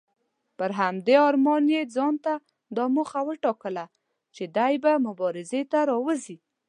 پر همدې ارمان یې ځانته دا موخه وټاکله چې دی به مبارزې ته راوځي.